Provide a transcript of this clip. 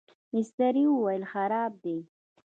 مستري وویل خراب دی.